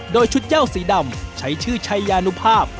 โดยชุดเจ้าสีดำใช้ชื่อชัยยานุภาพ